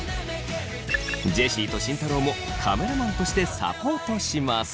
ジェシーと慎太郎もカメラマンとしてサポートします。